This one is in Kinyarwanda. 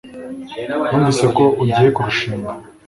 numvise ko ugiye kurushinga